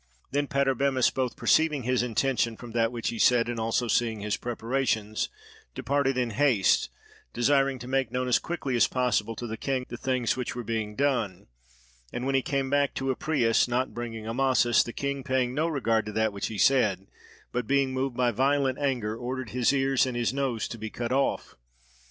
Then Patarbemis both perceiving his intention from that which he said, and also seeing his preparations, departed in haste, desiring to make known as quickly as possible to the king the things which were being done: and when he came back to Apries not bringing Amasis, the king paying no regard to that which he said, but being moved by violent anger, ordered his ears and his nose to be cut off.